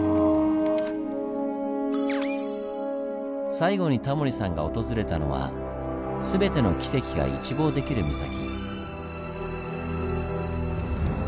最後にタモリさんが訪れたのは全てのキセキが一望できる岬。